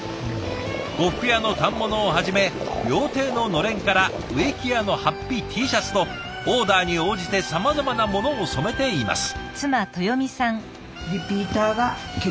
呉服屋の反物をはじめ料亭ののれんから植木屋のはっぴＴシャツとオーダーに応じてさまざまなものを染めています。